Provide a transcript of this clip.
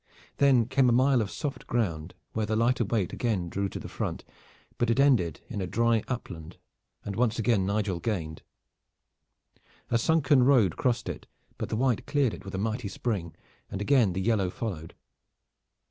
Then came a mile of soft ground where the lighter weight again drew to the front, but it ended in a dry upland and once again Nigel gained. A sunken road crossed it, but the white cleared it with a mighty spring, and again the yellow followed.